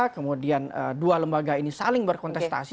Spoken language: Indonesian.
kemudian dua lembaga ini saling berkontestasi